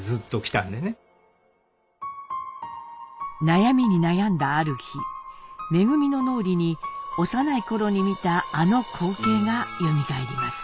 悩みに悩んだある日恩の脳裏に幼い頃に見たあの光景がよみがえります。